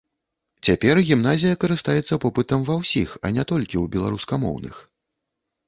Цяпер гімназія карыстаецца попытам ва ўсіх, а не толькі ў беларускамоўных.